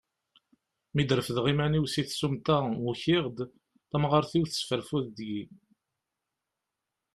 Mi d-refdeɣ iman-iw si tsumta, ukiɣ-d, tamɣart-iw tesfarfud deg-i.